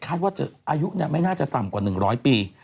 ว่าจะอายุไม่น่าจะต่ำกว่า๑๐๐ปี